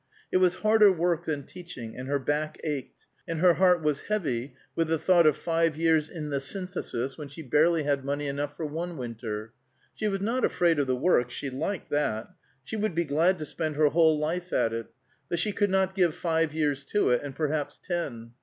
It was harder work than teaching, and her back ached, and her heart was heavy with the thought of five years in the Synthesis, when she barely had money enough for one winter. She was not afraid of the work; she liked that; she would be glad to spend her whole life at it; but she could not give five years to it, and perhaps ten.